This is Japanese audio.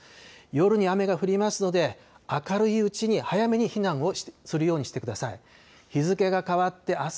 夜に雨が降りますので明るいうちに早めに避難をするようにしてください。